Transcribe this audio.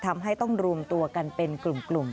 ทำให้ต้องรวมตัวกันเป็นกลุ่ม